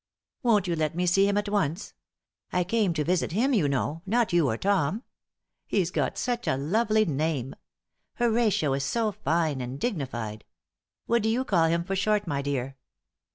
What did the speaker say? Won't you let me see him at once? I came to visit him, you know; not you or Tom. He's got such a lovely name! 'Horatio' is so fine and dignified! What do you call him for short, my dear?"